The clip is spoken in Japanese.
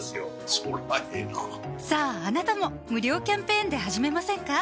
そりゃええなさぁあなたも無料キャンペーンで始めませんか？